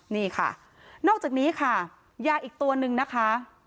นี่ค่ะนอกจากนี้ค่ะยาอีกตัวนึงนะคะ